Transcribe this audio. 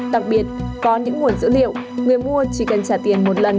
đặc biệt có những nguồn dữ liệu người mua chỉ cần trả tiền một lần